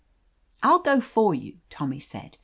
"I'll go for you," Tommy said.